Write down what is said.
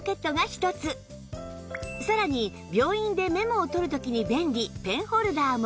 さらに病院でメモを取る時に便利ペンホルダーも